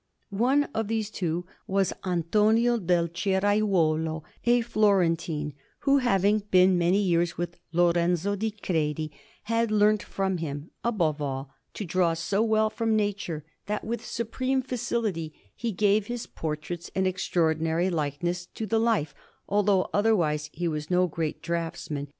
One of these two was Antonio del Ceraiuolo, a Florentine, who, having been many years with Lorenzo di Credi, had learnt from him, above all, to draw so well from nature, that with supreme facility he gave his portraits an extraordinary likeness to the life, although otherwise he was no great draughtsman.